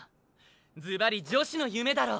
ずばり女子の夢だろう！